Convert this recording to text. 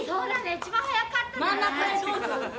一番早かったね。